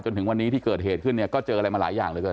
จนถึงวันนี้ที่เกิดเหตุขึ้นเนี่ยก็เจออะไรมาหลายอย่างเหลือเกิน